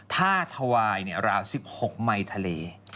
ถ้าถวายราว๑๖ไมค์ทะเล